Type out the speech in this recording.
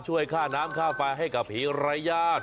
ช่วยค่าน้ำค่าไฟให้กับผีรายญาติ